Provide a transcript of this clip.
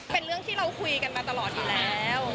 เป็นเรื่องที่เราคุยกันมาตลอดอยู่แล้ว